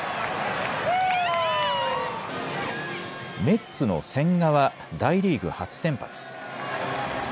メッツの千賀は大リーグ初先発。